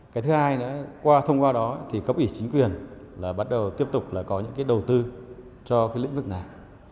cái thứ hai nữa qua thông qua đó thì cấp ủy chính quyền là bắt đầu tiếp tục là có những cái đầu tư cho cái lĩnh vực này